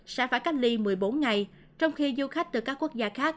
sẽ phải cách ly một mươi bốn ngày trong khi du khách từ các quốc gia khác